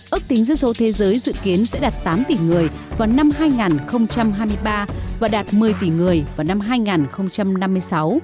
ước tính dân số thế giới dự kiến sẽ đạt tám tỷ người vào năm hai nghìn hai mươi ba và đạt một mươi tỷ người vào năm hai nghìn năm mươi sáu